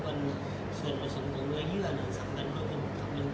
แต่ยืนยันใช่ไหมคะตอนที่เราทดลองสไทยแล้วเรารู้สึกว่ามันควายได้จริง